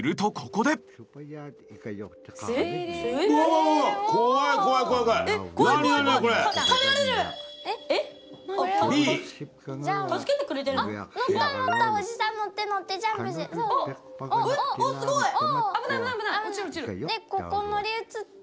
でここ乗り移って。